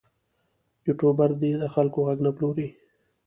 یوټوبر دې د خلکو غږ نه پلوري.